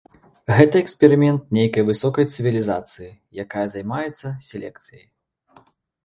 Гэта эксперымент нейкай высокай цывілізацыі, якая займаецца селекцыяй.